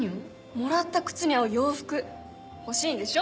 もらった靴に合う洋服欲しいんでしょ？